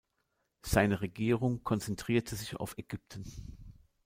Seine Regierung konzentrierte sich auf Ägypten.